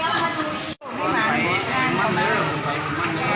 หลายส่วนที่จะเข้าไปที่นี่